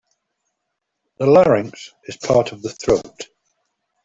The larynx is part of the throat.